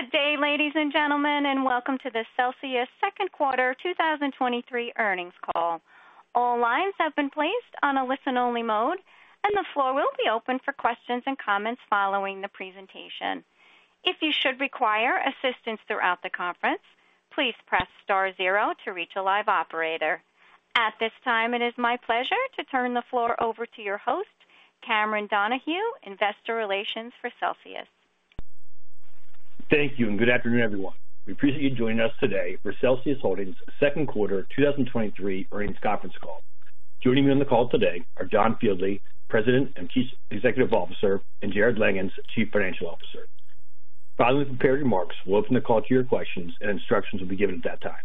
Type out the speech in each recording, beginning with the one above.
Good day, ladies and gentlemen, welcome to the Celsius Second Quarter 2023 earnings call. All lines have been placed on a listen-only mode, the floor will be open for questions and comments following the presentation. If you should require assistance throughout the conference, please press star 0 to reach a live operator. At this time, it is my pleasure to turn the floor over to your host, Cameron Donahue, Investor Relations for Celsius. Thank you, and good afternoon, everyone. We appreciate you joining us today for Celsius Holdings second quarter 2023 earnings conference call. Joining me on the call today are John Fieldly, President and Chief Executive Officer, and Jarrod Langhans, Chief Financial Officer. Following the prepared remarks, we'll open the call to your questions and instructions will be given at that time.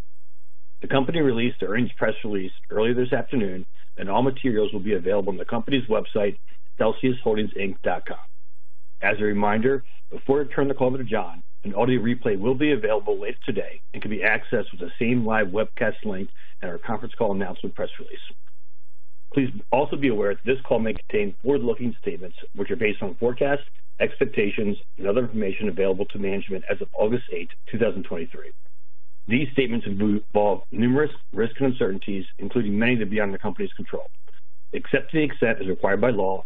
The company released the earnings press release earlier this afternoon, and all materials will be available on the company's website, celsiusholdingsinc.com. As a reminder, before I turn the call over to John, an audio replay will be available later today and can be accessed with the same live webcast link and our conference call announcement press release. Please also be aware that this call may contain forward-looking statements, which are based on forecasts, expectations, and other information available to management as of August 8, 2023. These statements involve numerous risks and uncertainties, including many that are beyond the company's control. Except to the extent as required by law,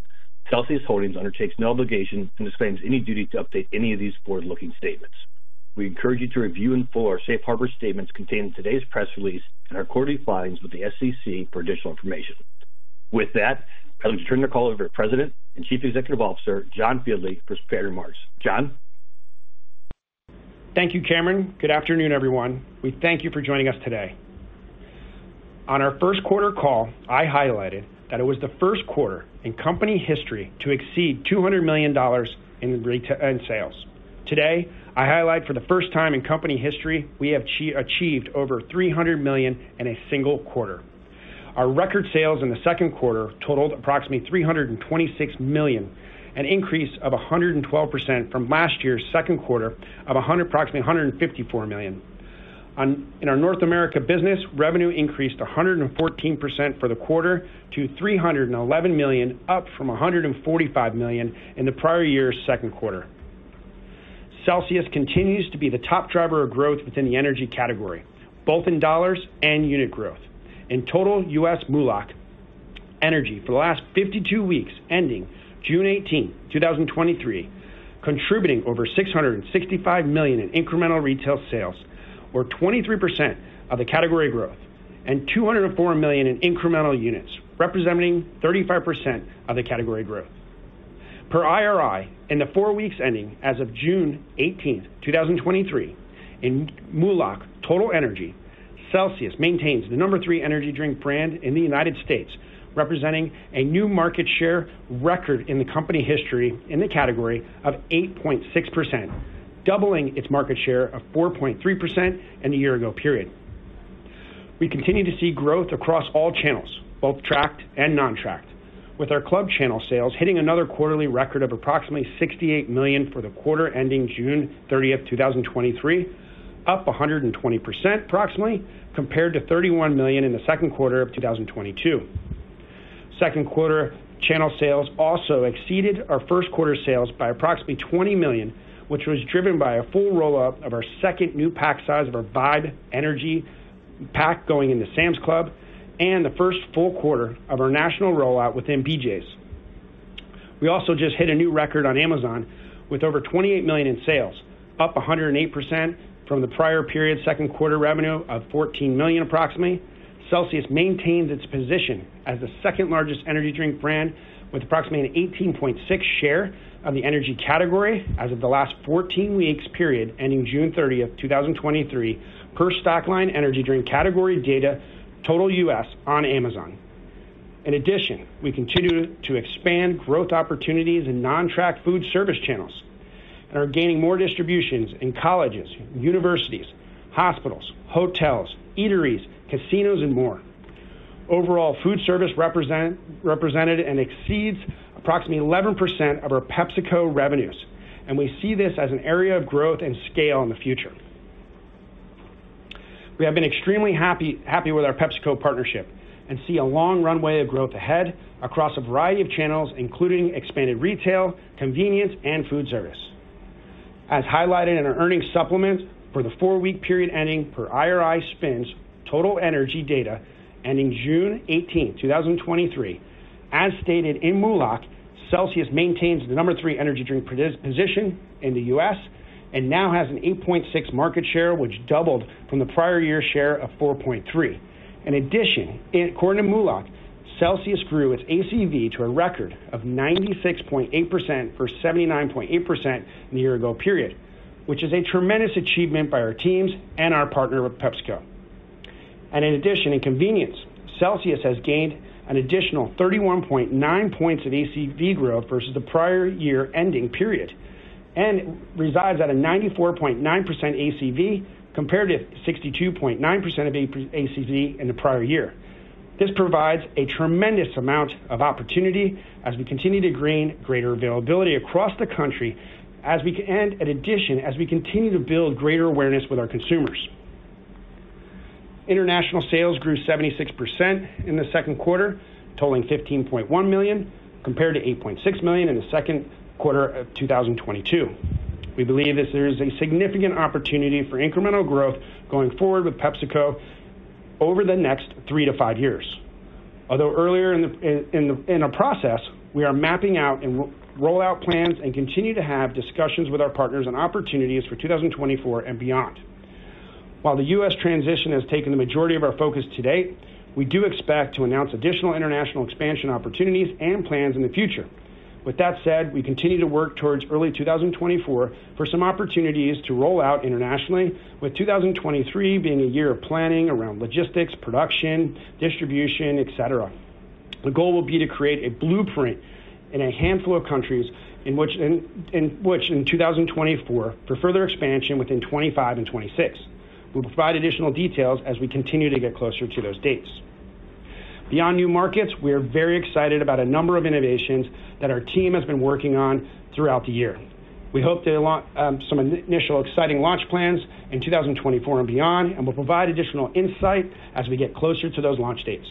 Celsius Holdings undertakes no obligation and disclaims any duty to update any of these forward-looking statements. We encourage you to review in full our safe harbor statements contained in today's press release and our quarterly filings with the SEC for additional information. I'd like to turn the call over to President and Chief Executive Officer, John Fieldly, for his prepared remarks. John? Thank you, Cameron. Good afternoon, everyone. We thank you for joining us today. On our first quarter call, I highlighted that it was the first quarter in company history to exceed $200 million in sales. Today, I highlight for the first time in company history, we have achieved over $300 million in a single quarter. Our record sales in the second quarter totaled approximately $326 million, an increase of 112% from last year's second quarter of approximately $154 million. In our North America business, revenue increased 114% for the quarter to $311 million, up from $145 million in the prior year's second quarter. Celsius continues to be the top driver of growth within the energy category, both in dollars and unit growth. In total, U.S. MULOC Energy for the last 52 weeks, ending June 18, 2023, contributing over $665 million in incremental retail sales, or 23% of the category growth, and $204 million in incremental units, representing 35% of the category growth. Per IRI, in the 4 weeks ending as of June 18, 2023, in MULOC Total Energy, Celsius maintains the number 3 energy drink brand in the United States, representing a new market share record in the company history in the category of 8.6%, doubling its market share of 4.3% in the year-ago period. We continue to see growth across all channels, both tracked and non-tracked, with our club channel sales hitting another quarterly record of approximately $68 million for the quarter ending June 30, 2023, up 120%, approximately, compared to $31 million in the second quarter of 2022. Second quarter channel sales also exceeded our first quarter sales by approximately $20 million, which was driven by a full rollout of our second new pack size of our Vibe Energy pack going into Sam's Club and the first full quarter of our national rollout within BJ's. We also just hit a new record on Amazon with over $28 million in sales, up 108% from the prior period, second quarter revenue of $14 million approximately. Celsius maintains its position as the second largest energy drink brand with approximately a 18.6 share of the energy category as of the last 14 weeks period, ending June 30, 2023, per Stackline energy drink category data, total U.S. on Amazon. In addition, we continue to expand growth opportunities in non-tracked food service channels and are gaining more distributions in colleges, universities, hospitals, hotels, eateries, casinos, and more. Overall, food service represented and exceeds approximately 11% of our PepsiCo revenues. We see this as an area of growth and scale in the future. We have been extremely happy, happy with our PepsiCo partnership and see a long runway of growth ahead across a variety of channels, including expanded retail, convenience, and food service. As highlighted in our earnings supplement for the four-week period ending per IRI, total energy data ending June 18, 2023. As stated in MULOC, Celsius maintains the number three energy drink position in the U.S. and now has an 8.6% market share, which doubled from the prior year's share of 4.3%. In addition, according to MULOC, Celsius grew its ACV to a record of 96.8% for 79.8% in the year ago period, which is a tremendous achievement by our teams and our partner with PepsiCo. In addition, in convenience, Celsius has gained an additional 31.9 points of ACV growth versus the prior year ending period, and resides at a 94.9% ACV, compared to 62.9% of ACV in the prior year. This provides a tremendous amount of opportunity as we continue to gain greater availability across the country, as we and in addition, as we continue to build greater awareness with our consumers. International sales grew 76% in the second quarter, totaling $15.1 million, compared to $8.6 million in the second quarter of 2022. We believe that there is a significant opportunity for incremental growth going forward with PepsiCo over the next 3-5 years. Although earlier in the process, we are mapping out and rollout plans and continue to have discussions with our partners on opportunities for 2024 and beyond. While the U.S. transition has taken the majority of our focus to date, we do expect to announce additional international expansion opportunities and plans in the future. With that said, we continue to work towards early 2024 for some opportunities to roll out internationally, with 2023 being a year of planning around logistics, production, distribution, et cetera. The goal will be to create a blueprint in a handful of countries in 2024 for further expansion within 2025 and 2026. We'll provide additional details as we continue to get closer to those dates. Beyond new markets, we are very excited about a number of innovations that our team has been working on throughout the year. We hope to launch some initial exciting launch plans in 2024 and beyond, and we'll provide additional insight as we get closer to those launch dates.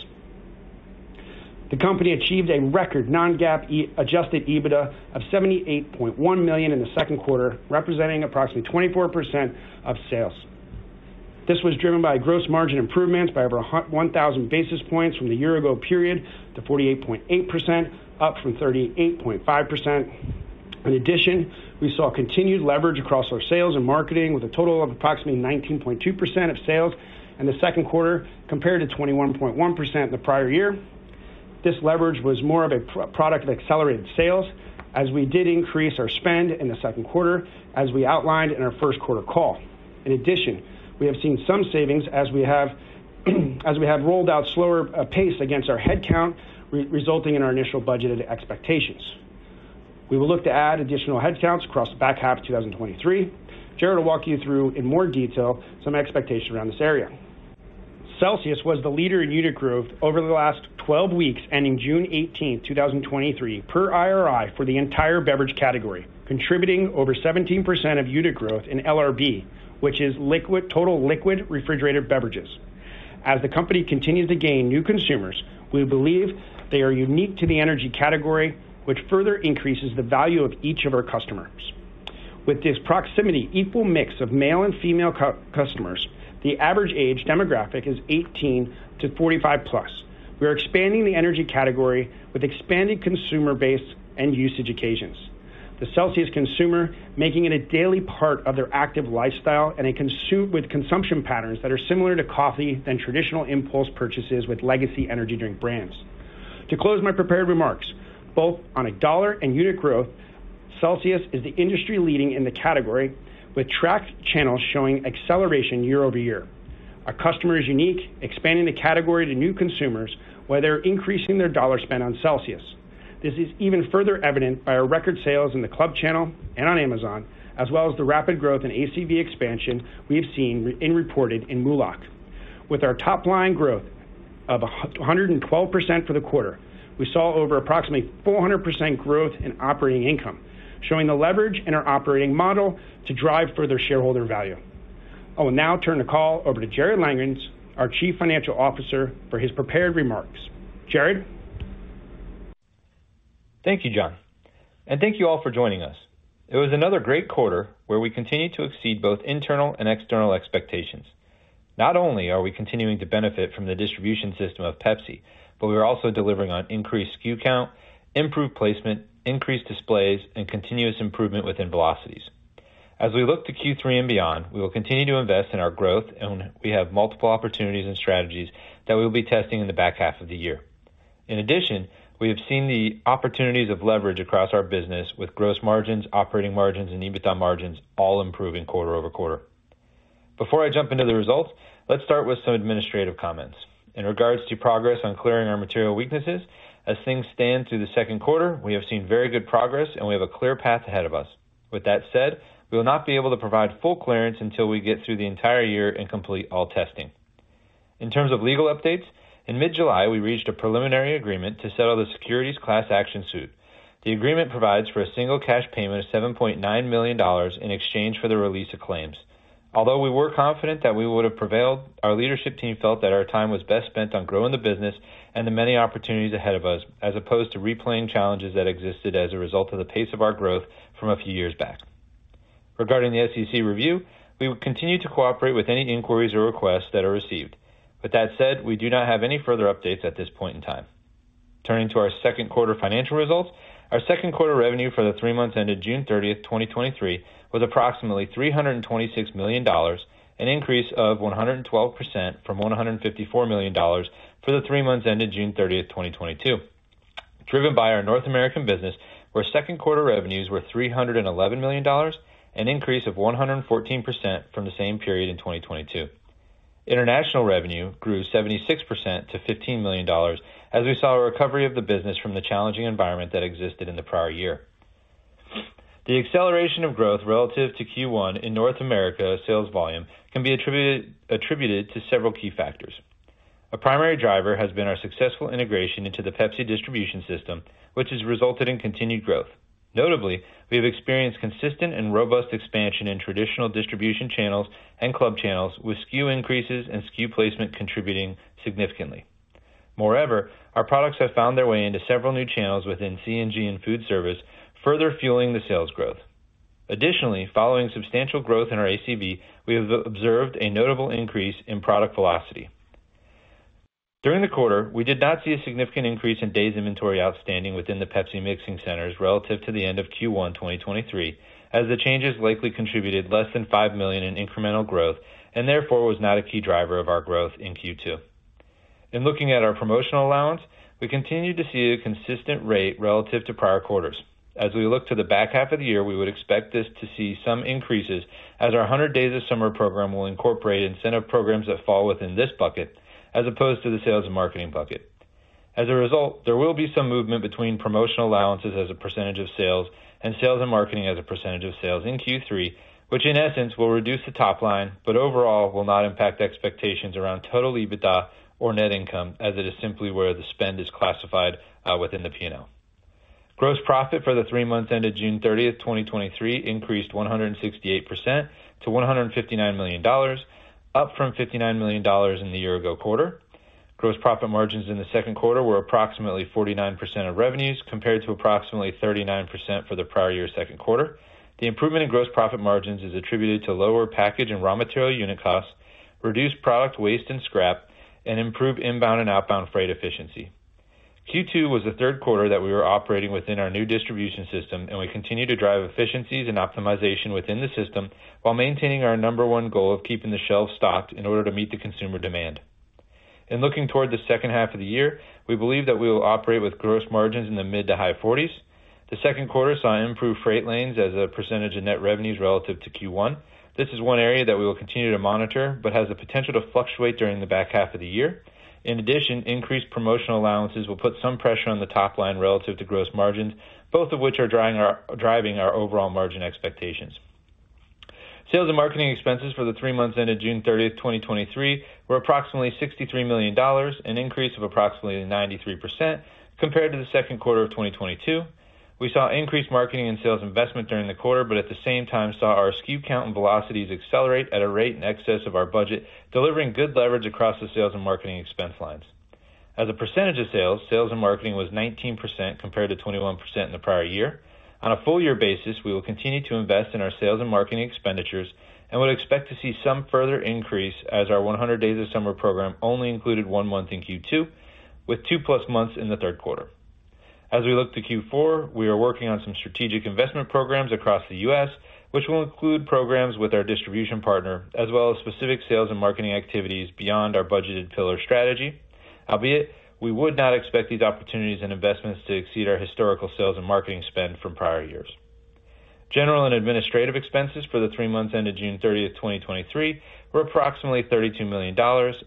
The company achieved a record non-GAAP adjusted EBITDA of $78.1 million in the second quarter, representing approximately 24% of sales. This was driven by gross margin improvements by over 1,000 basis points from the year ago period to 48.8%, up from 38.5%. We saw continued leverage across our sales and marketing, with a total of approximately 19.2% of sales in the second quarter, compared to 21.1% in the prior year. This leverage was more of a product of accelerated sales, as we did increase our spend in the second quarter, as we outlined in our first quarter call. We have seen some savings as we have rolled out slower pace against our headcount, resulting in our initial budgeted expectations. We will look to add additional headcounts across the back half of 2023. Jarrod will walk you through, in more detail, some expectations around this area. Celsius was the leader in unit growth over the last 12 weeks, ending June 18th, 2023, per IRI, for the entire beverage category, contributing over 17% of unit growth in LRB, which is liquid-- total liquid refrigerated beverages. As the company continues to gain new consumers, we believe they are unique to the energy category, which further increases the value of each of our customers. With this proximity equal mix of male and female customers, the average age demographic is 18 to 45+. We are expanding the energy category with expanding consumer base and usage occasions. The Celsius consumer making it a daily part of their active lifestyle and with consumption patterns that are similar to coffee than traditional impulse purchases with legacy energy drink brands. To close my prepared remarks, both on a dollar and unit growth, Celsius is the industry leading in the category, with tracked channels showing acceleration year-over-year. Our customer is unique, expanding the category to new consumers, while they're increasing their dollar spend on Celsius. This is even further evident by our record sales in the club channel and on Amazon, as well as the rapid growth in ACV expansion we have seen in reported in MULOC. With our top line growth of 112% for the quarter, we saw over approximately 400% growth in operating income, showing the leverage in our operating model to drive further shareholder value. I will now turn the call over to Jared Langhans, our Chief Financial Officer, for his prepared remarks. Jared? Thank you, John, and thank you all for joining us. It was another great quarter where we continued to exceed both internal and external expectations. Not only are we continuing to benefit from the distribution system of Pepsi, but we are also delivering on increased SKU count, improved placement, increased displays, and continuous improvement within velocities. As we look to Q3 and beyond, we will continue to invest in our growth, and we have multiple opportunities and strategies that we will be testing in the back half of the year. In addition, we have seen the opportunities of leverage across our business with gross margins, operating margins, and EBITDA margins all improving quarter-over-quarter. Before I jump into the results, let's start with some administrative comments. In regards to progress on clearing our material weaknesses, as things stand through the second quarter, we have seen very good progress, and we have a clear path ahead of us. With that said, we will not be able to provide full clearance until we get through the entire year and complete all testing. In terms of legal updates, in mid-July, we reached a preliminary agreement to settle the securities class action suit. The agreement provides for a single cash payment of $7.9 million in exchange for the release of claims. Although we were confident that we would have prevailed, our leadership team felt that our time was best spent on growing the business and the many opportunities ahead of us, as opposed to replaying challenges that existed as a result of the pace of our growth from a few years back. Regarding the SEC review, we will continue to cooperate with any inquiries or requests that are received. With that said, we do not have any further updates at this point in time. Turning to our second quarter financial results, our second quarter revenue for the three months ended June 30, 2023, was approximately $326 million, an increase of 112% from $154 million for the three months ended June 30, 2022. Driven by our North American business, where second quarter revenues were $311 million, an increase of 114% from the same period in 2022. International revenue grew 76% to $15 million, as we saw a recovery of the business from the challenging environment that existed in the prior year. The acceleration of growth relative to Q1 in North America sales volume can be attributed to several key factors. A primary driver has been our successful integration into the Pepsi distribution system, which has resulted in continued growth. Notably, we have experienced consistent and robust expansion in traditional distribution channels and club channels, with SKU increases and SKU placement contributing significantly. Our products have found their way into several new channels within C&G and food service, further fueling the sales growth. Following substantial growth in our ACV, we have observed a notable increase in product velocity. During the quarter, we did not see a significant increase in days inventory outstanding within the Pepsi mixing centers relative to the end of Q1, 2023, as the changes likely contributed less than $5 million in incremental growth and therefore was not a key driver of our growth in Q2. In looking at our promotional allowance, we continued to see a consistent rate relative to prior quarters. As we look to the back half of the year, we would expect this to see some increases as our Hundred Days of Summer program will incorporate incentive programs that fall within this bucket, as opposed to the sales and marketing bucket. As a result, there will be some movement between promotional allowances as a percentage of sales, and sales and marketing as a percentage of sales in Q3, which in essence, will reduce the top line, but overall will not impact expectations around total EBITDA or net income, as it is simply where the spend is classified within the P&L. Gross profit for the 3 months ended June 30th, 2023, increased 168% to $159 million, up from $59 million in the year-ago quarter. Gross profit margins in the second quarter were approximately 49% of revenues, compared to approximately 39% for the prior year second quarter. The improvement in gross profit margins is attributed to lower package and raw material unit costs, reduced product waste and scrap, and improved inbound and outbound freight efficiency. Q2 was the third quarter that we were operating within our new distribution system. We continue to drive efficiencies and optimization within the system while maintaining our number one goal of keeping the shelves stocked in order to meet the consumer demand. In looking toward the second half of the year, we believe that we will operate with gross margins in the mid-to-high 40s. The second quarter saw improved freight lanes as a % of net revenues relative to Q1. This is one area that we will continue to monitor, but has the potential to fluctuate during the back half of the year. In addition, increased promotional allowances will put some pressure on the top line relative to gross margins, both of which are driving our overall margin expectations. Sales and marketing expenses for the 3 months ended June 30, 2023, were approximately $63 million, an increase of approximately 93% compared to the second quarter of 2022. We saw increased marketing and sales investment during the quarter. At the same time saw our SKU count and velocities accelerate at a rate in excess of our budget, delivering good leverage across the sales and marketing expense lines. As a percentage of sales, sales and marketing was 19%, compared to 21% in the prior year. On a full year basis, we will continue to invest in our sales and marketing expenditures and would expect to see some further increase as our 100 Days of Summer program only included 1 month in Q2, with 2+ months in the third quarter. As we look to Q4, we are working on some strategic investment programs across the US, which will include programs with our distribution partner, as well as specific sales and marketing activities beyond our budgeted pillar strategy. Albeit, we would not expect these opportunities and investments to exceed our historical sales and marketing spend from prior years. General and administrative expenses for the three months ended June thirtieth, 2023, were approximately $32 million,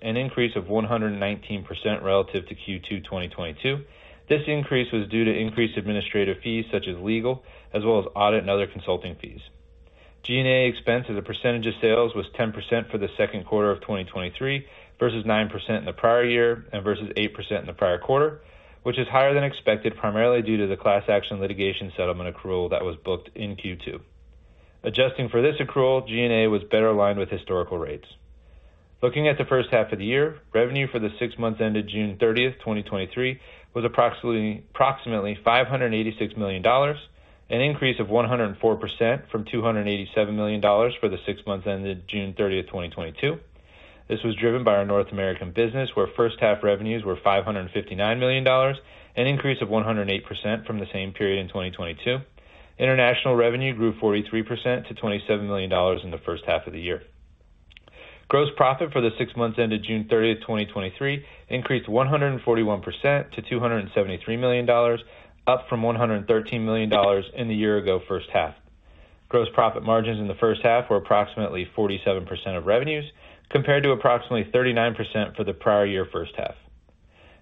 an increase of 119% relative to Q2 2022. This increase was due to increased administrative fees such as legal, as well as audit and other consulting fees. G&A expense as a percentage of sales was 10% for the second quarter of 2023, versus 9% in the prior year and versus 8% in the prior quarter, which is higher than expected, primarily due to the class action litigation settlement accrual that was booked in Q2. Adjusting for this accrual, G&A was better aligned with historical rates. Looking at the first half of the year, revenue for the six months ended June thirtieth, 2023, was approximately $586 million, an increase of 104% from $287 million for the six months ended June thirtieth, 2022. This was driven by our North American business, where first half revenues were $559 million, an increase of 108% from the same period in 2022. International revenue grew 43% to $27 million in the first half of the year. Gross profit for the six months ended June thirtieth, 2023, increased 141% to $273 million, up from $113 million in the year ago first half. Gross profit margins in the first half were approximately 47% of revenues, compared to approximately 39% for the prior year first half.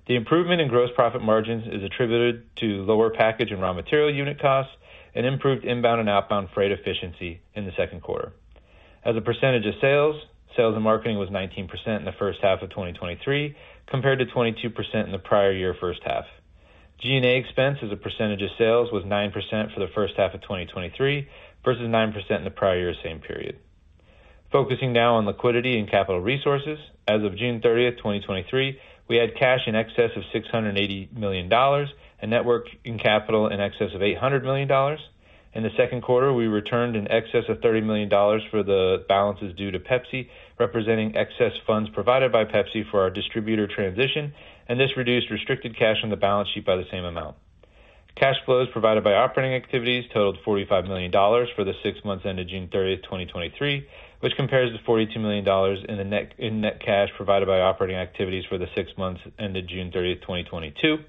The improvement in gross profit margins is attributed to lower package and raw material unit costs and improved inbound and outbound freight efficiency in the second quarter. As a percentage of sales, sales and marketing was 19% in the first half of 2023, compared to 22% in the prior year first half. G&A expense as a percentage of sales was 9% for the first half of 2023, versus 9% in the prior year same period. Focusing now on liquidity and capital resources. As of June 30th, 2023, we had cash in excess of $680 million, a network in capital in excess of $800 million. In the second quarter, we returned in excess of $30 million for the balances due to Pepsi, representing excess funds provided by Pepsi for our distributor transition. This reduced restricted cash on the balance sheet by the same amount. Cash flows provided by operating activities totaled $45 million for the six months ended June 30, 2023, which compares to $42 million in net cash provided by operating activities for the six months ended June 30, 2022.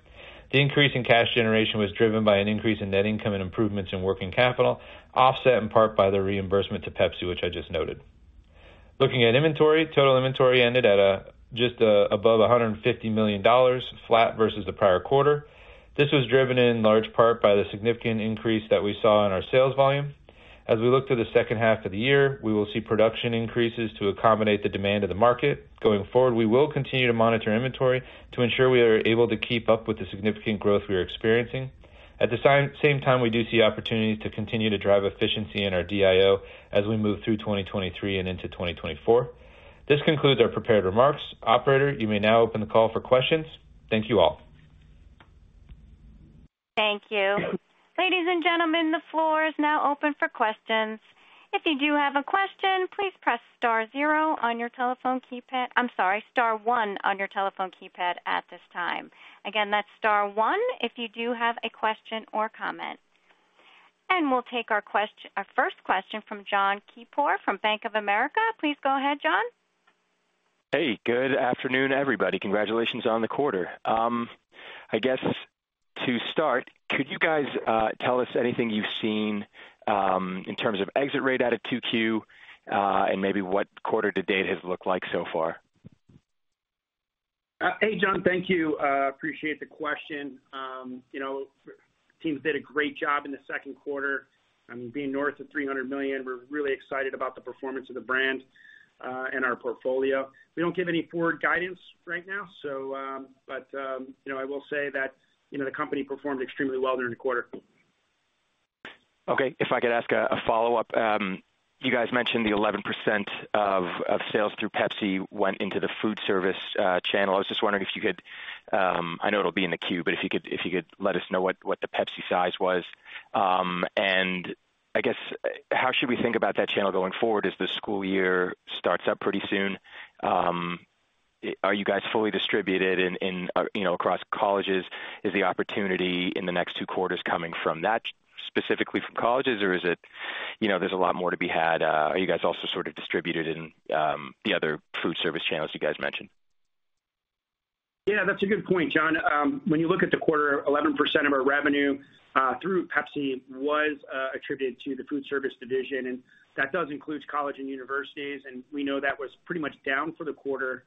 The increase in cash generation was driven by an increase in net income and improvements in working capital, offset in part by the reimbursement to Pepsi, which I just noted. Looking at inventory, total inventory ended at just above $150 million, flat versus the prior quarter. This was driven in large part by the significant increase that we saw in our sales volume. As we look to the second half of the year, we will see production increases to accommodate the demand of the market. Going forward, we will continue to monitor inventory to ensure we are able to keep up with the significant growth we are experiencing. At the same time, we do see opportunities to continue to drive efficiency in our DIO as we move through 2023 and into 2024. This concludes our prepared remarks. Operator, you may now open the call for questions. Thank you all. Thank you. Ladies and gentlemen, the floor is now open for questions. If you do have a question, please press star zero on your telephone keypad, I'm sorry, star one on your telephone keypad at this time. Again, that's star one if you do have a question or comment. We'll take our first question from Jon Keypour from Bank of America. Please go ahead, John. Hey, good afternoon, everybody. Congratulations on the quarter. I guess to start, could you guys tell us anything you've seen in terms of exit rate out of 2Q, and maybe what quarter to date has looked like so far? Hey, John. Thank you. Appreciate the question. You know, teams did a great job in the second quarter. I mean, being north of $300 million, we're really excited about the performance of the brand, and our portfolio. We don't give any forward guidance right now, so, but, you know, I will say that, you know, the company performed extremely well during the quarter. Okay. If I could ask a follow-up. You guys mentioned the 11% of sales through Pepsi went into the food service channel. I was just wondering if you could, I know it'll be in the queue, but if you could let us know what the Pepsi size was. I guess, how should we think about that channel going forward as the school year starts up pretty soon? Are you guys fully distributed in, you know, across colleges? Is the opportunity in the next 2 quarters coming from that, specifically from colleges, or is it, you know, there's a lot more to be had, are you guys also sort of distributed in the other food service channels you guys mentioned? Yeah, that's a good point, John. When you look at the quarter, 11% of our revenue through Pepsi was attributed to the food service division, and that does include college and universities, and we know that was pretty much down for the quarter.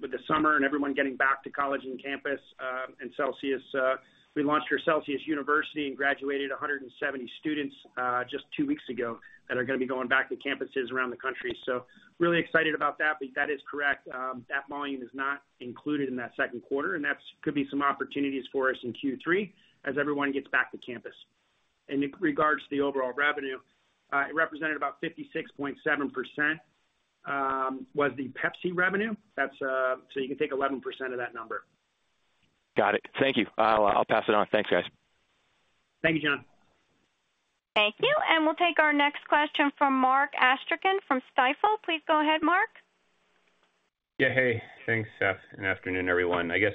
With the summer and everyone getting back to college and campus, and Celsius, we launched our Celsius University and graduated 170 students just two weeks ago, that are going to be going back to campuses around the country. Really excited about that. That is correct, that volume is not included in that second quarter, and that could be some opportunities for us in Q3 as everyone gets back to campus. In regards to the overall revenue, it represented about 56.7% was the Pepsi revenue. That's. You can take 11% of that number. Got it. Thank you. I'll, I'll pass it on. Thanks, guys. Thank you, John. Thank you. We'll take our next question from Mark Astrachan from Stifel. Please go ahead, Mark. Yeah, hey. Thanks, Seth, and afternoon, everyone. I guess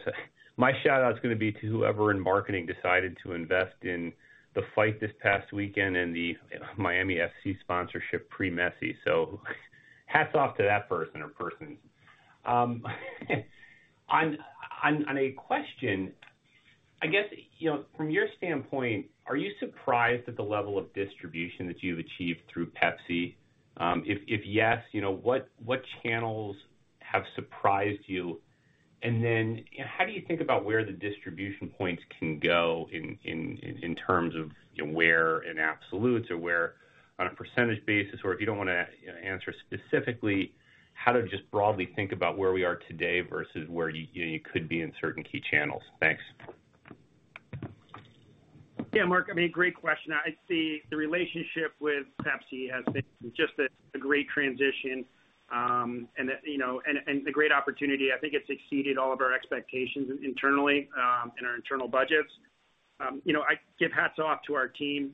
my shout-out is going to be to whoever in marketing decided to invest in the fight this past weekend and the Inter Miami CF sponsorship pre Messi. Hats off to that person or persons. On a question, I guess, you know, from your standpoint, are you surprised at the level of distribution that you've achieved through Pepsi? If, if yes, you know, what, what channels have surprised you? How do you think about where the distribution points can go in terms of, you know, where in absolutes or where on a percentage basis, or if you don't want to, you know, answer specifically, how to just broadly think about where we are today versus where you could be in certain key channels? Thanks. Yeah, Mark, I mean, great question. I see the relationship with Pepsi has been just a, a great transition, and, you know, and, and a great opportunity. I think it's exceeded all of our expectations internally, in our internal budgets. You know, I give hats off to our team,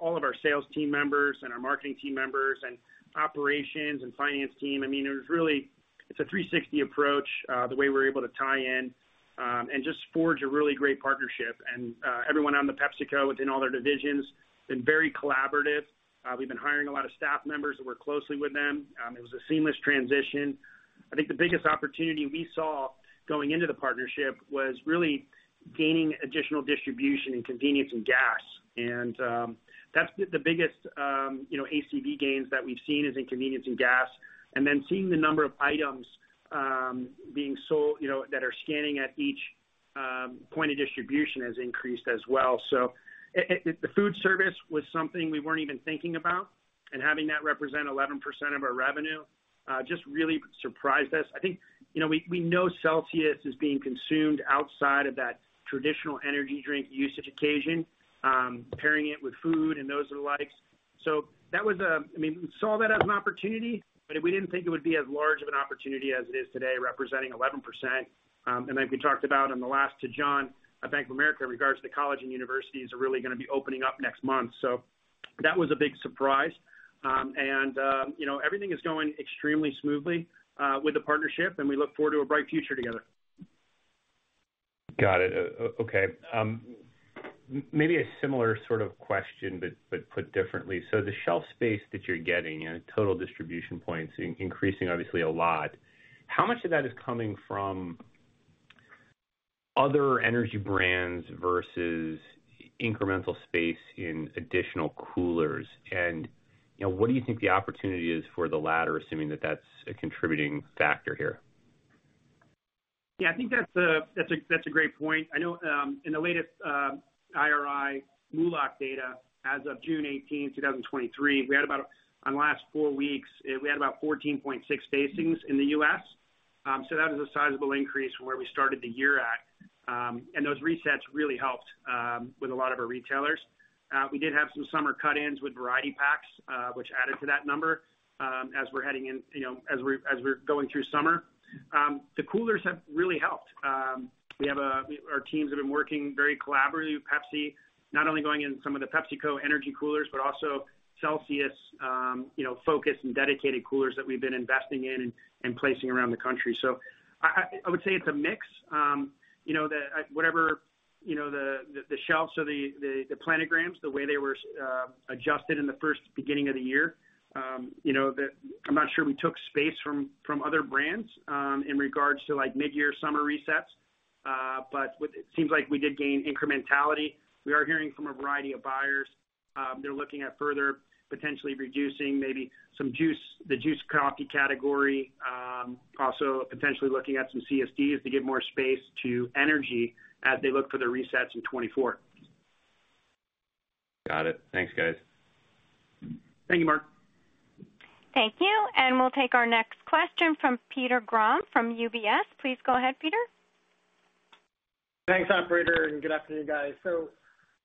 all of our sales team members and our marketing team members and operations and finance team. I mean, it was really. It's a 360 approach, the way we're able to tie in and just forge a really great partnership. Everyone on the PepsiCo, within all their divisions, been very collaborative. We've been hiring a lot of staff members that work closely with them. It was a seamless transition. I think the biggest opportunity we saw going into the partnership was really gaining additional distribution and convenience in gas. That's the biggest, you know, ACV gains that we've seen is in convenience and gas. Then seeing the number of items being sold, you know, that are scanning at each point of distribution has increased as well. The food service was something we weren't even thinking about. Having that represent 11% of our revenue just really surprised us. I think, you know, we, we know Celsius is being consumed outside of that traditional energy drink usage occasion, pairing it with food and those the likes. That was, I mean, we saw that as an opportunity, but we didn't think it would be as large of an opportunity as it is today, representing 11%. Like we talked about in the last to Jon Keypour, at Bank of America, in regards to college and universities, are really going to be opening up next month. That was a big surprise. You know, everything is going extremely smoothly, with the partnership, and we look forward to a bright future together. Got it. Okay, maybe a similar sort of question, but put differently. The shelf space that you're getting and total distribution points increasing obviously a lot, how much of that is coming from other energy brands versus incremental space in additional coolers? You know, what do you think the opportunity is for the latter, assuming that that's a contributing factor here? Yeah, I think that's a, that's a, that's a great point. I know, in the latest IRI MULOC data, as of June 18, 2023, we had about, on the last 4 weeks, we had about 14.6 facings in the U.S. That is a sizable increase from where we started the year at. Those resets really helped, with a lot of our retailers. We did have some summer cut-ins with variety packs, which added to that number, as we're heading in, you know, as we're, as we're going through summer. The coolers have really helped. We have our teams have been working very collaboratively with Pepsi, not only going in some of the PepsiCo energy coolers, but also Celsius, focused and dedicated coolers that we've been investing in and placing around the country. I, I, I would say it's a mix. The, whatever, the, the, the shelves or the, the, the planograms, the way they were adjusted in the first beginning of the year, I'm not sure we took space from other brands in regards to, like, midyear summer resets, but it seems like we did gain incrementality. We are hearing from a variety of buyers, they're looking at further potentially reducing maybe some juice, the juice coffee category, also potentially looking at some CSDs to give more space to energy as they look for their resets in 2024. Got it. Thanks, guys. Thank you, Mark. Thank you. We'll take our next question from Peter Grom from UBS. Please go ahead, Peter. Thanks, operator, and good afternoon, guys.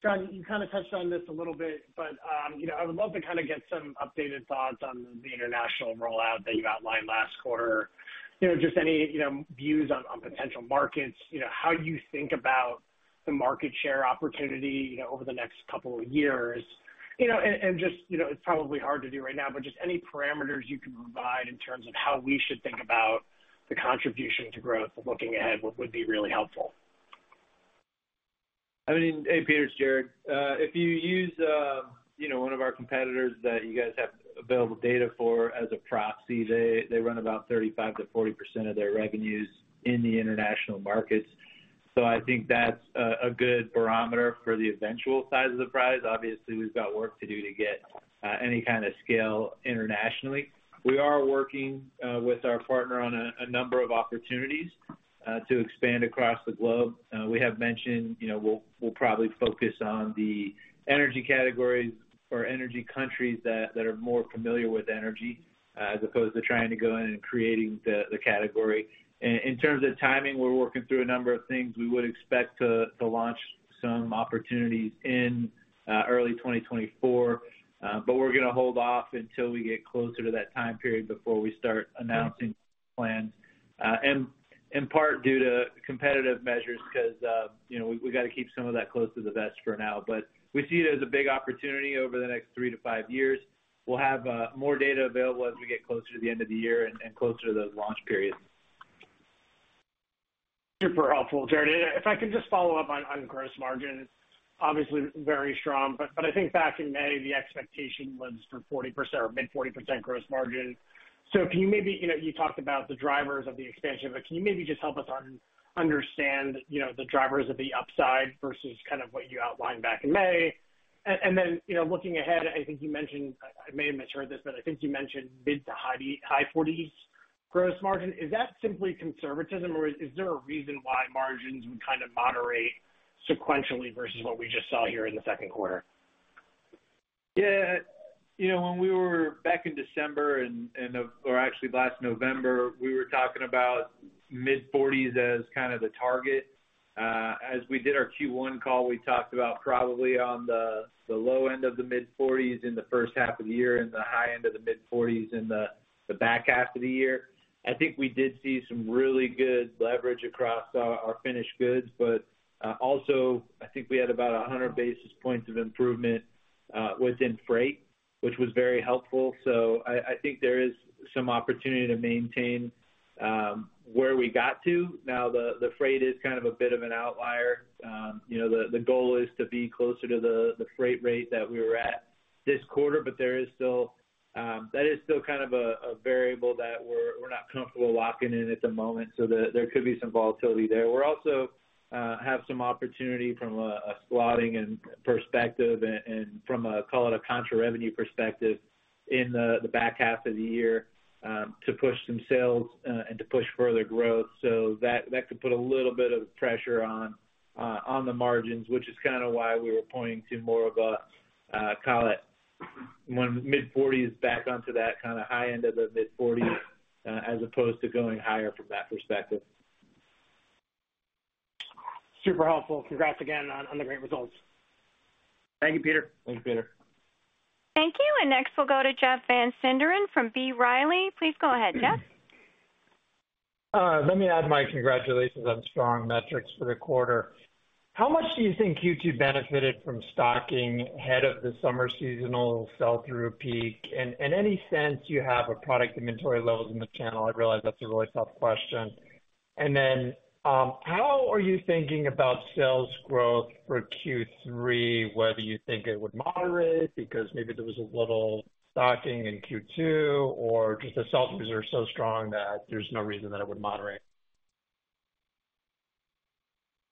John, you kind of touched on this a little bit, but, you know, I would love to kind of get some updated thoughts on the international rollout that you outlined last quarter. You know, just any, you know, views on, on potential markets, you know, how you think about the market share opportunity, you know, over the next couple of years. You know, just, you know, it's probably hard to do right now, but just any parameters you can provide in terms of how we should think about the contribution to growth looking ahead would, would be really helpful. I mean, hey, Peter, it's Jarrod. If you use, you know, one of our competitors that you guys have available data for as a proxy, they, they run about 35%-40% of their revenues in the international markets. I think that's a, a good barometer for the eventual size of the prize. Obviously, we've got work to do to get any kind of scale internationally. We are working with our partner on a, a number of opportunities to expand across the globe. We have mentioned, you know, we'll, we'll probably focus on the energy categories or energy countries that, that are more familiar with energy as opposed to trying to go in and creating the, the category. In, in terms of timing, we're working through a number of things. We would expect to, to launch some opportunities in early 2024. We're going to hold off until we get closer to that time period before we start announcing plans, in part due to competitive measures, because, you know, we, we got to keep some of that close to the vest for now. We see it as a big opportunity over the next 3 to 5 years. We'll have more data available as we get closer to the end of the year and closer to those launch periods. Super helpful, Jared. If I can just follow up on, on gross margin, obviously very strong, but, but I think back in May, the expectation was for 40% or mid 40% gross margin. Can you maybe, you know, you talked about the drivers of the expansion, but can you maybe just help us understand, you know, the drivers of the upside versus kind of what you outlined back in May? Then, you know, looking ahead, I think you mentioned, I may have misheard this, but I think you mentioned mid to high, high 40s gross margin. Is that simply conservatism, or is there a reason why margins would kind of moderate sequentially versus what we just saw here in the second quarter? Yeah. You know, when we were back in December and, or actually last November, we were talking about mid-40s as kind of the target. As we did our Q1 call, we talked about probably on the, the low end of the mid-40s in the first half of the year and the high end of the mid-40s in the, the back half of the year. I think we did see some really good leverage across our, our finished goods, also, I think we had about 100 basis points of improvement within freight, which was very helpful. I think there is some opportunity to maintain where we got to. Now, the, the freight is kind of a bit of an outlier. You know, the, the goal is to be closer to the, the freight rate that we were at this quarter, but there is still, that is still kind of a, a variable that we're, we're not comfortable locking in at the moment, so there, there could be some volatility there. We're also, have some opportunity from a, a slotting and perspective and, and from a call it a contra revenue perspective in the, the back half of the year, to push some sales, and to push further growth. That, that could put a little bit of pressure on, on the margins, which is kind of why we were pointing to more of a, call it when mid-forties back onto that kind of high end of the mid-forties, as opposed to going higher from that perspective. Super helpful. Congrats again on, on the great results. Thank you, Peter. Thanks, Peter. Thank you. Next, we'll go to Jeff Van Sinderen from B. Riley. Please go ahead, Jeff. Let me add my congratulations on strong metrics for the quarter. How much do you think Q2 benefited from stocking ahead of the summer seasonal sell-through peak? Any sense you have a product inventory levels in the channel? I realize that's a really tough question. How are you thinking about sales growth for Q3, whether you think it would moderate because maybe there was a little stocking in Q2, or just the sell-throughs are so strong that there's no reason that it would moderate?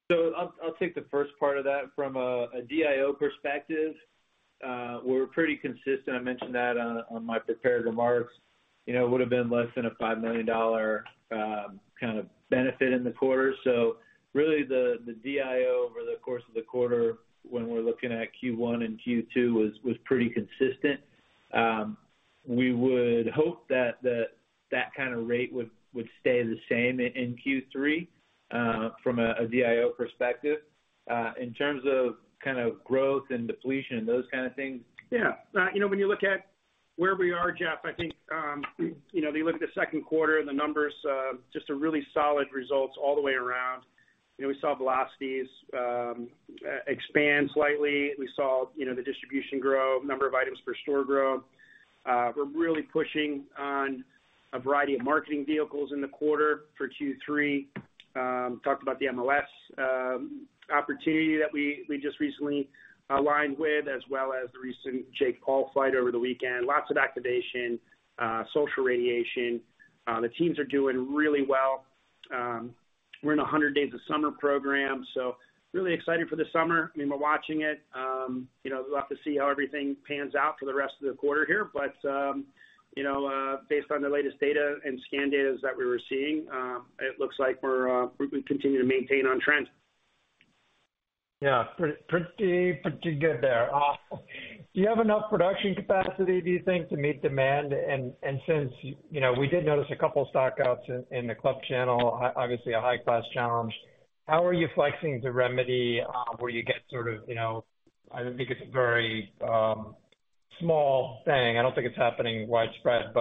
I'll take the first part of that. From a DIO perspective, we're pretty consistent. I mentioned that on my prepared remarks. You know, it would have been less than a $5 million kind of benefit in the quarter. Really, the DIO over the course of the quarter when we're looking at Q1 and Q2, was pretty consistent. We would hope that that kind of rate would stay the same in Q3, from a DIO perspective. In terms of kind of growth and depletion and those kind of things? Yeah. You know, when you look at where we are, Jeff, I think, you know, when you look at the second quarter, the numbers just are really solid results all the way around. You know, we saw velocities expand slightly. We saw, you know, the distribution grow, number of items per store growth. We're really pushing on a variety of marketing vehicles in the quarter for Q3. Talked about the MLS opportunity that we just recently aligned with, as well as the recent Jake Paul fight over the weekend. Lots of activation, social radiation. The teams are doing really well. We're in a Hundred Days of Summer program, so really excited for the summer. I mean, we're watching it. You know, we'll have to see how everything pans out for the rest of the quarter here. You know, based on the latest data and scan data that we were seeing, it looks like we're, we continue to maintain on trend. Yeah, pretty, pretty good there. Do you have enough production capacity, do you think, to meet demand? Since, you know, we did notice a couple of stockouts in, in the club channel, obviously a high-class challenge. How are you flexing to remedy, where you get sort of, you know. I don't think it's a very small thing. I don't think it's happening widespread.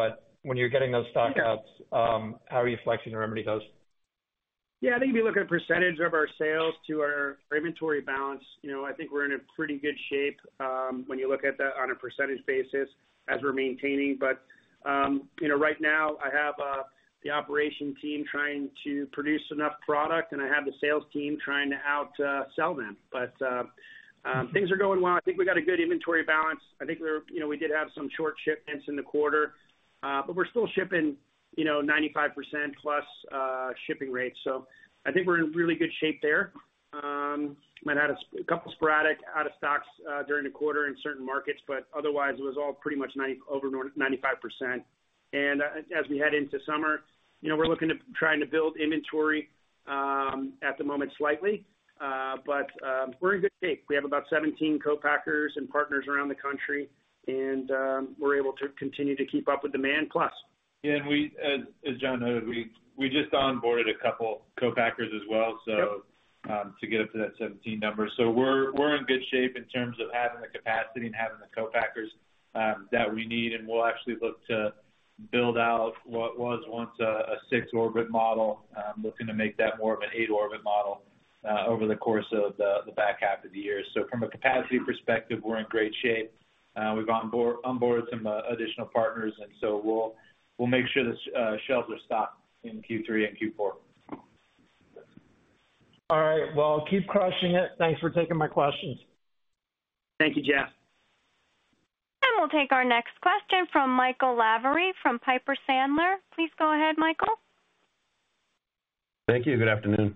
When you're getting those stockouts. Yeah. How are you flexing to remedy those? Yeah, I think if you look at % of our sales to our inventory balance, you know, I think we're in a pretty good shape when you look at that on a % basis as we're maintaining. You know, right now, I have the operation team trying to produce enough product, and I have the sales team trying to out sell them. Things are going well. I think we got a good inventory balance. I think we're, you know, we did have some short shipments in the quarter, but we're still shipping, you know, 95% plus shipping rates. I think we're in really good shape there. Might had a couple sporadic out of stocks during the quarter in certain markets, but otherwise, it was all pretty much over 95%. As we head into summer, you know, we're looking at trying to build inventory at the moment slightly. We're in good shape. We have about 17 co-packers and partners around the country, and we're able to continue to keep up with demand plus. Yeah, as John noted, we just onboarded a couple co-packers as well. Yep. To get up to that 17 number. We're, we're in good shape in terms of having the capacity and having the co-packers that we need. We'll actually look to build out what was once a six-orbit model, looking to make that more of an eight-orbit model over the course of the back half of the year. From a capacity perspective, we're in great shape. We've onboarded some additional partners, and so we'll, we'll make sure the shelves are stocked in Q3 and Q4. All right. Well, keep crushing it. Thanks for taking my questions. Thank you, Jeff. We'll take our next question from Michael Lavery, from Piper Sandler. Please go ahead, Michael. Thank you. Good afternoon.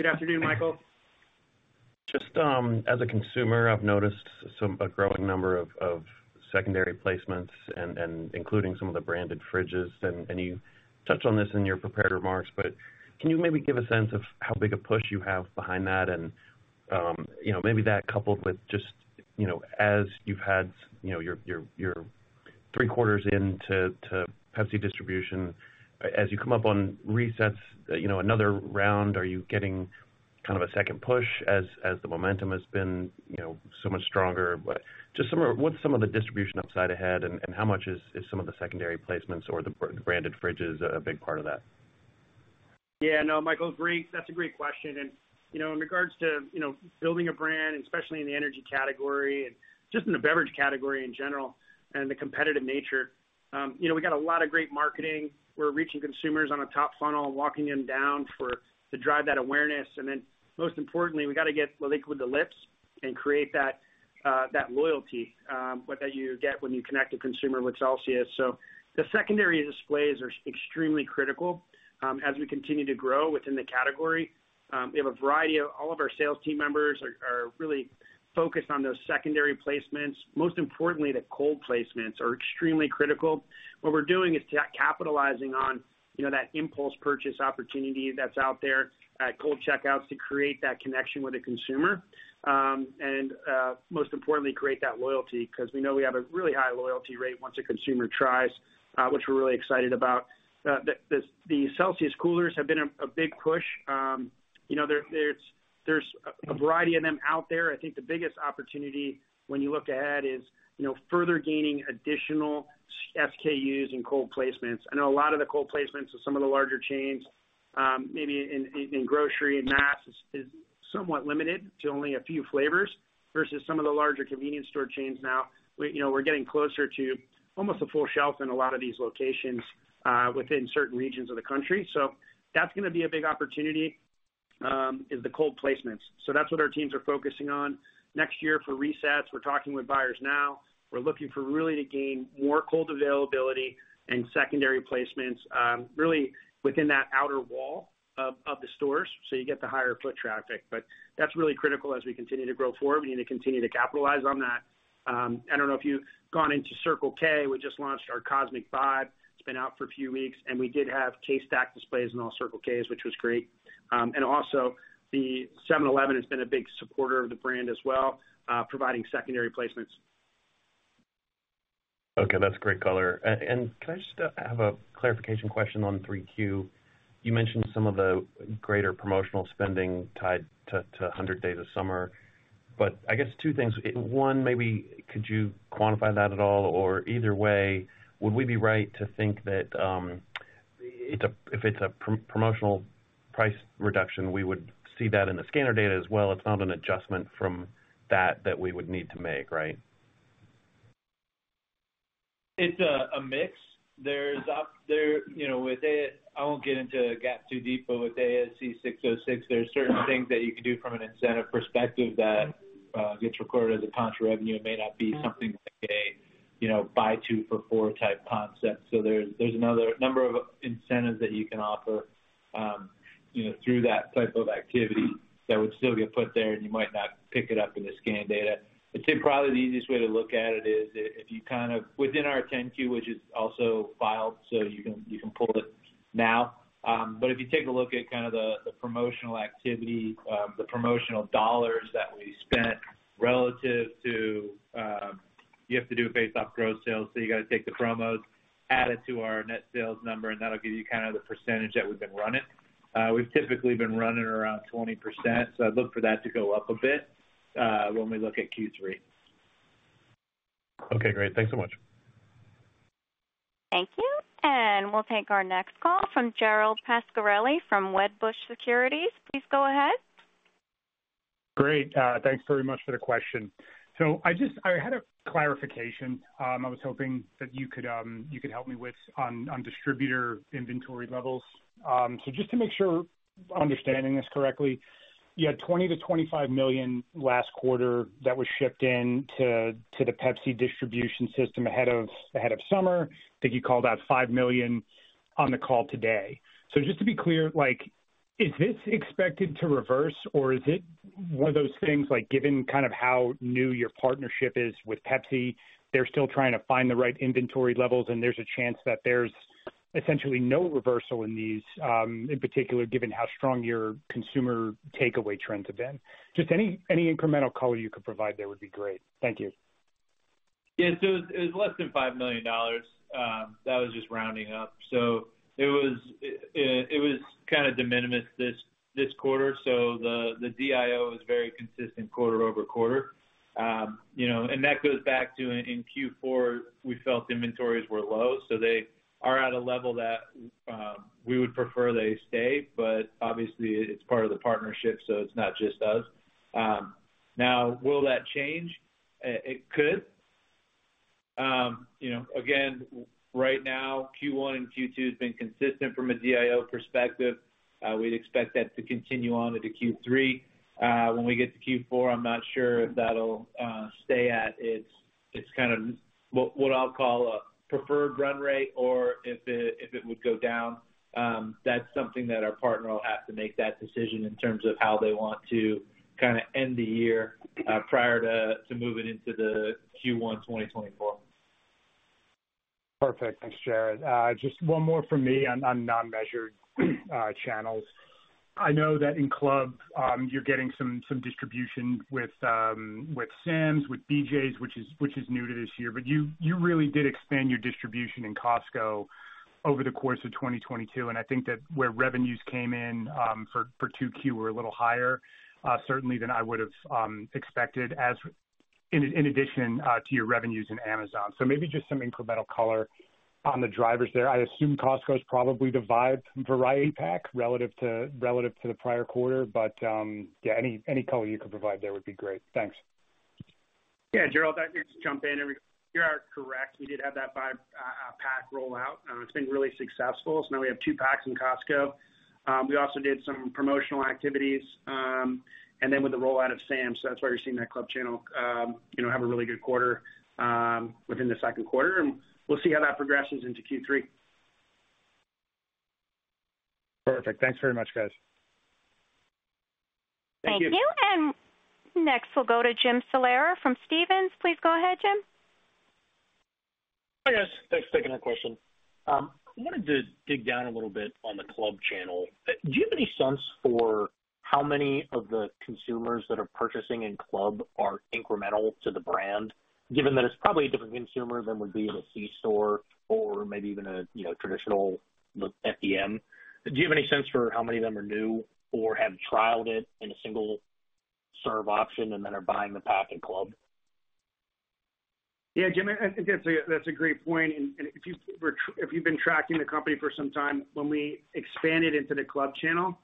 Good afternoon, Michael. Just, as a consumer, I've noticed a growing number of secondary placements and including some of the branded fridges. You touched on this in your prepared remarks, but can you maybe give a sense of how big a push you have behind that? You know, maybe that coupled with just, you know, as you've had, you know, your, your, your 3 quarters into to Pepsi distribution, as you come up on resets, you know, another round, are you getting kind of a second push as, as the momentum has been, you know, so much stronger? Just some of what's some of the distribution upside ahead, and how much is some of the secondary placements or the branded fridges a big part of that? No, Michael, great. That's a great question. You know, in regards to, you know, building a brand, especially in the energy category and just in the beverage category in general, and the competitive nature, you know, we got a lot of great marketing. We're reaching consumers on a top funnel and walking them down to drive that awareness. Then, most importantly, we got to get the liquid to lips and create that loyalty that you get when you connect a consumer with Celsius. The secondary displays are extremely critical as we continue to grow within the category. We have a variety of all of our sales team members are really focused on those secondary placements. Most importantly, the cold placements are extremely critical. What we're doing is capitalizing on, you know, that impulse purchase opportunity that's out there at cold checkouts to create that connection with the consumer. Most importantly, create that loyalty, because we know we have a really high loyalty rate once a consumer tries, which we're really excited about. The, the, the Celsius coolers have been a, a big push. You know, there, there's, there's a, a variety of them out there. I think the biggest opportunity when you look ahead is, you know, further gaining additional SKUs and cold placements. I know a lot of the cold placements with some of the larger chains, maybe in, in, in grocery, in mass, is, is somewhat limited to only a few flavors versus some of the larger convenience store chains now. You know, we're getting closer to almost a full shelf in a lot of these locations within certain regions of the country. That's going to be a big opportunity. Is the cold placements. That's what our teams are focusing on. Next year for resets, we're talking with buyers now. We're looking for really to gain more cold availability and secondary placements really within that outer wall of the stores, so you get the higher foot traffic. That's really critical as we continue to grow forward. We need to continue to capitalize on that. I don't know if you've gone into Circle K. We just launched our Cosmic Vibe. It's been out for a few weeks, and we did have K-Stack displays in all Circle Ks, which was great. Also, the 7-Eleven has been a big supporter of the brand as well, providing secondary placements. Okay, that's great color. can I just have a clarification question on 3Q? You mentioned some of the greater promotional spending tied to Hundred Days of Summer, I guess two things. One, maybe could you quantify that at all? either way, would we be right to think that, if it's a promotional price reduction, we would see that in the scanner data as well. It's not an adjustment from that, that we would need to make, right? It's a, a mix. There's up there. You know, with it, I won't get into GAAP too deep, but with ASC 606, there are certain things that you can do from an incentive perspective that gets recorded as a contra revenue. It may not be something like a, you know, buy 2 for 4 type concept. There's, there's another number of incentives that you can offer, you know, through that type of activity that would still get put there, and you might not pick it up in the scan data. Tim, probably the easiest way to look at it is if you kind of within our 10-Q, which is also filed, so you can, you can pull it now. If you take a look at kind of the, the promotional activity, the promotional dollars that we spent relative to, you have to do a base off gross sales, so you got to take the promos, add it to our net sales number, and that'll give you kind of the percentage that we've been running. We've typically been running around 20%, so I'd look for that to go up a bit, when we look at Q3. Okay, great. Thanks so much. Thank you. We'll take our next call from Gerald Pascarelli from Wedbush Securities. Please go ahead. Great, thanks very much for the question. I just had a clarification I was hoping that you could help me with on distributor inventory levels. Just to make sure I'm understanding this correctly, you had $20 million-$25 million last quarter that was shipped in to the Pepsi distribution system ahead of summer. I think you called out $5 million on the call today. Just to be clear, is this expected to reverse, or is it one of those things, given kind of how new your partnership is with Pepsi, they're still trying to find the right inventory levels, and there's a chance that there's essentially no reversal in these, in particular, given how strong your consumer takeaway trends have been? Just any incremental color you could provide there would be great. Thank you. Yeah, it was less than $5 million. That was just rounding up. It was kind of de minimis this quarter. The DIO is very consistent quarter-over-quarter. You know, that goes back to in Q4, we felt inventories were low, so they are at a level that we would prefer they stay, but obviously it's part of the partnership, so it's not just us. Now, will that change? It could. You know, again, right now, Q1 and Q2 has been consistent from a DIO perspective. We'd expect that to continue on into Q3. When we get to Q4, I'm not sure if that'll stay at its-- it's kind of what, what I'll call a preferred run rate or if it, if it would go down. That's something that our partner will have to make that decision in terms of how they want to kinda end the year prior to moving into the Q1 2024. Perfect. Thanks, Jared. Just one more from me on, on non-measured channels. I know that in Club, you're getting some distribution with Sam's, with BJ's, which is new to this year. You really did expand your distribution in Costco over the course of 2022. I think that where revenues came in for 2Q were a little higher, certainly than I would have expected, as in addition to your revenues in Amazon. Maybe just some incremental color on the drivers there. I assume Costco is probably the Vibe variety pack relative to, relative to the prior quarter. Yeah, any color you could provide there would be great. Thanks. Yeah, Gerald, I'll just jump in. You are correct. We did have that 5-pack rollout, and it's been really successful. Now we have 2 packs in Costco. We also did some promotional activities, and then with the rollout of Sam's, so that's why you're seeing that Club channel, you know, have a really good quarter within the 2nd quarter, and we'll see how that progresses into Q3. Perfect. Thanks very much, guys. Thank you. Next, we'll go to Jim Salera from Stephens. Please go ahead, Jim. Hi, guys. Thanks for taking that question. I wanted to dig down a little bit on the Club channel. Do you have any sense for how many of the consumers that are purchasing in Club are incremental to the brand, given that it's probably a different consumer than would be in a C store or maybe even a, you know, traditional FDM? Do you have any sense for how many of them are new or have trialed it in a single serve option and then are buying the pack in Club? Yeah, Jim, I think that's a, that's a great point. If you've if you've been tracking the company for some time, when we expanded into the club channel,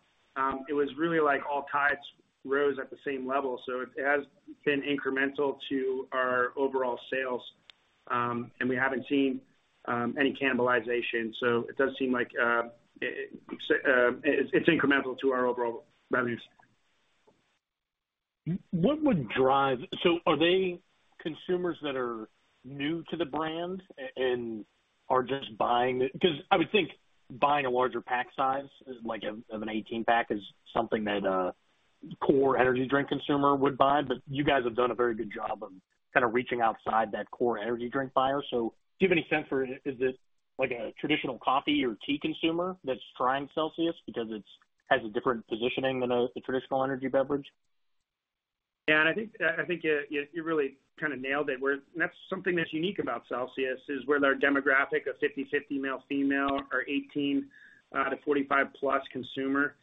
it was really like all tides rose at the same level, so it has been incremental to our overall sales. And we haven't seen any cannibalization, so it does seem like it's, it's incremental to our overall revenues. What would drive are they consumers that are new to the brand and are just buying it? Because I would think buying a larger pack size, like of an 18 pack, is something that a core energy drink consumer would buy. You guys have done a very good job of kind of reaching outside that core energy drink buyer. Do you have any sense for, is this like a traditional coffee or tea consumer that's trying Celsius because it's, has a different positioning than a, a traditional energy beverage? Yeah, I think you, you, you really kind of nailed it. That's something that's unique about Celsius, is where their demographic of 50/50 male, female, are 18 to 45 plus consumer.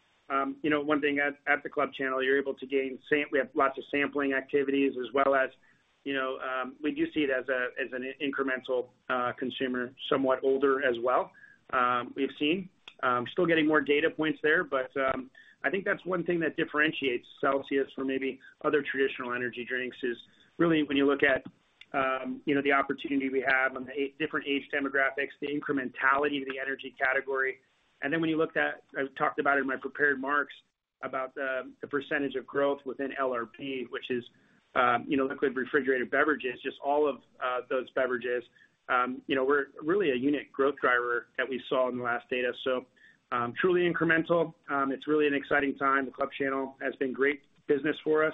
You know, one thing at, at the club channel, you're able to gain. We have lots of sampling activities as well as, you know, we do see it as an incremental consumer, somewhat older as well. We've seen, still getting more data points there, but I think that's one thing that differentiates Celsius from maybe other traditional energy drinks, is really, when you look at, you know, the opportunity we have on the different age demographics, the incrementality of the energy category. When you looked at. I talked about it in my prepared remarks, about the, the percentage of growth within LRB, which is, you know, liquid refrigerated beverages, just all of those beverages. You know, we're really a unit growth driver that we saw in the last data. Truly incremental. It's really an exciting time. The club channel has been great business for us.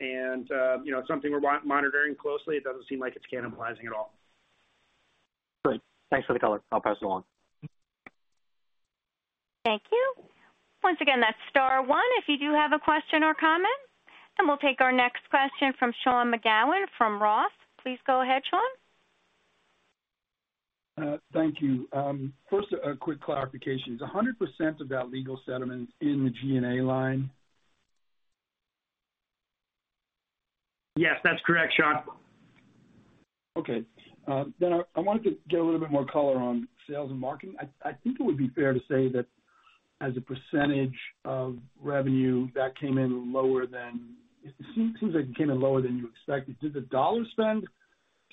You know, it's something we're monitoring closely. It doesn't seem like it's cannibalizing at all. Great. Thanks for the color. I'll pass it along. Thank you. Once again, that's star one, if you do have a question or comment. We'll take our next question from Sean McGowan from Roth. Please go ahead, Sean. Thank you. First, a quick clarification. Is 100% of that legal settlement in the G&A line? Yes, that's correct, Sean. Okay, I, I wanted to get a little bit more color on sales and marketing. I, I think it would be fair to say that as a % of revenue, that came in lower than... It seems, seems like it came in lower than you expected. Did the dollar spend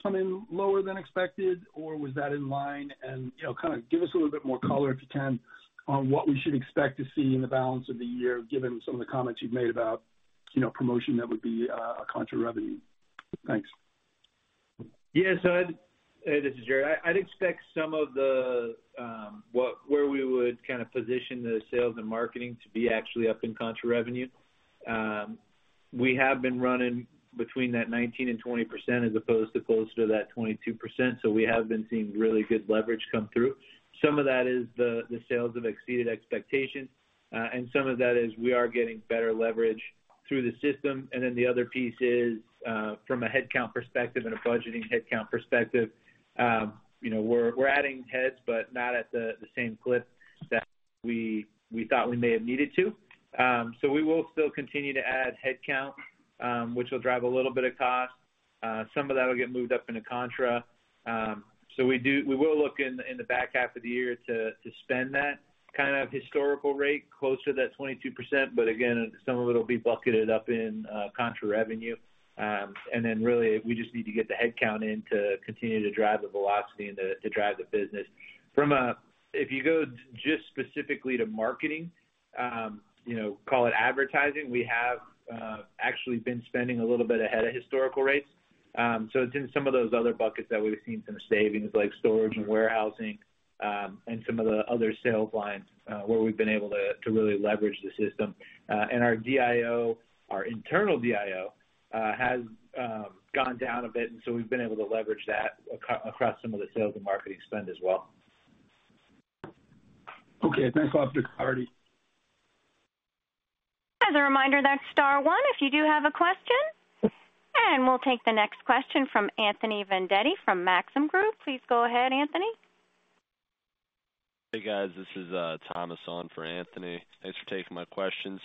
come in lower than expected, or was that in line? You know, kind of give us a little bit more color, if you can, on what we should expect to see in the balance of the year, given some of the comments you've made about, you know, promotion that would be a contra revenue. Thanks. Yeah, I'd. Hey, this is Gerry. I'd expect some of the where we would kind of position the sales and marketing to be actually up in contra revenue. We have been running between that 19% and 20% as opposed to close to that 22%, we have been seeing really good leverage come through. Some of that is the, the sales have exceeded expectations, some of that is we are getting better leverage through the system. The other piece is, from a headcount perspective and a budgeting headcount perspective, you know, we're, we're adding heads, not at the, the same clip that we, we thought we may have needed to. We will still continue to add headcount, which will drive a little bit of cost. Some of that will get moved up into contra. We will look in, in the back half of the year to, to spend that kind of historical rate closer to that 22%. Again, some of it will be bucketed up in contra revenue. Really, we just need to get the headcount in to continue to drive the velocity and to, to drive the business. From a If you go just specifically to marketing, you know, call it advertising, we have actually been spending a little bit ahead of historical rates. It's in some of those other buckets that we've seen some savings, like storage and warehousing, and some of the other sales lines, where we've been able to, to really leverage the system. Our DIO, our internal DIO, has gone down a bit, and so we've been able to leverage that across some of the sales and marketing spend as well. Okay, thanks. I'll have to clarity. As a reminder, that's star one, if you do have a question. We'll take the next question from Anthony Vendetti, from Maxim Group. Please go ahead, Anthony. Hey, guys, this is Thomas on for Anthony. Thanks for taking my question.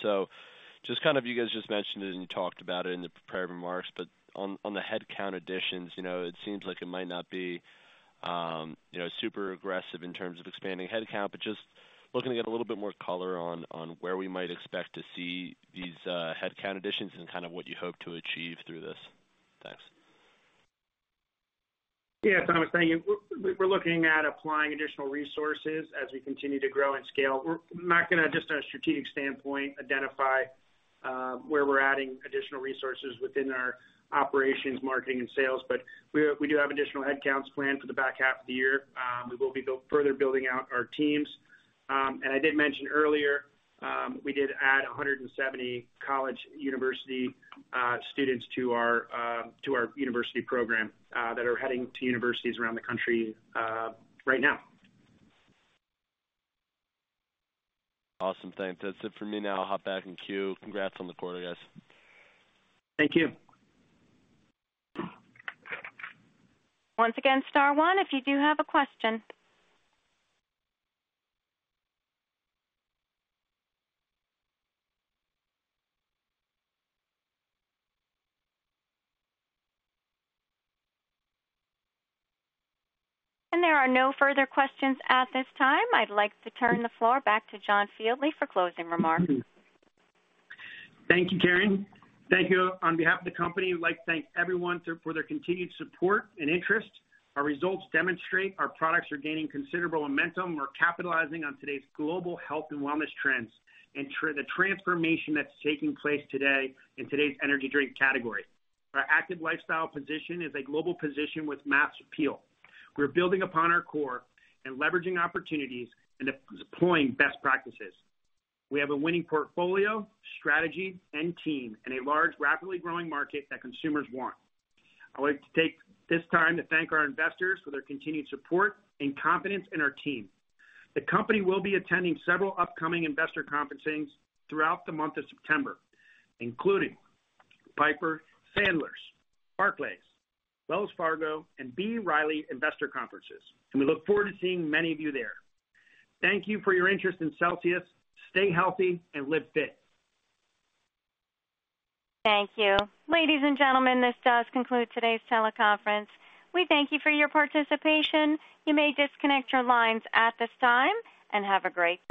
Just kind of you guys just mentioned it and talked about it in the prepared remarks, but on, on the headcount additions, you know, it seems like it might not be, you know, super aggressive in terms of expanding headcount, but just looking to get a little bit more color on, on where we might expect to see these headcount additions and kind of what you hope to achieve through this. Thanks. Yeah, Thomas, thank you. We're looking at applying additional resources as we continue to grow and scale. We're not gonna, just a strategic standpoint, identify where we're adding additional resources within our operations, marketing, and sales, but we, we do have additional headcounts planned for the back half of the year. We will be further building out our teams. I did mention earlier, we did add 170 college university students to our to our university program that are heading to universities around the country right now. Awesome, thanks. That's it for me now. I'll hop back in queue. Congrats on the quarter, guys. Thank you. Once again, star one, if you do have a question. There are no further questions at this time. I'd like to turn the floor back to John Fieldly for closing remarks. Thank you, Karen. Thank you. On behalf of the company, we'd like to thank everyone for their continued support and interest. Our results demonstrate our products are gaining considerable momentum. We're capitalizing on today's global health and wellness trends, and the transformation that's taking place today in today's energy drink category. Our active lifestyle position is a global position with mass appeal. We're building upon our core and leveraging opportunities and deploying best practices. We have a winning portfolio, strategy, and team, and a large, rapidly growing market that consumers want. I'd like to take this time to thank our investors for their continued support and confidence in our team. The company will be attending several upcoming investor conferences throughout the month of September, including Piper Sandler's, Barclays, Wells Fargo, and B. Riley investor conferences, and we look forward to seeing many of you there. Thank you for your interest in Celsius. Stay healthy and live fit. Thank you. Ladies and gentlemen, this does conclude today's teleconference. We thank you for your participation. You may disconnect your lines at this time, and have a great day!